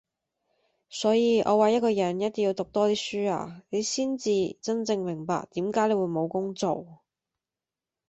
所以我話一個人一定要讀多啲書啊，你先至真正明白點解你會冇工做!